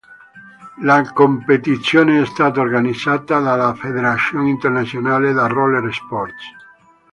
La competizione è stata organizzata dalla Fédération Internationale de Roller Sports.